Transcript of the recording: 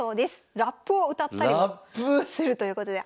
ラップを歌ったりもするということで。